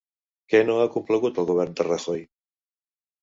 Què no ha complagut al govern de Rajoy?